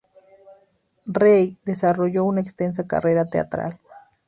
Rey desarrolló una extensa carrera teatral.